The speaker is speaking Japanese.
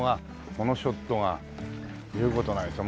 このショットが言う事ないですよ